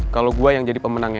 kalau gue yang jadi pemenangnya